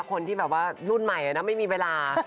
คนที่แบบว่ารุ่นใหม่ไม่มีเวลา